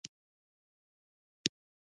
بامیان ته خامخا لاړ شئ.